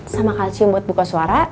sama kalsium buat buka suara